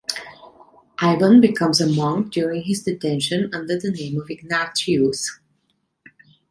Ivan becomes a monk during his detention, under the name of Ignatius.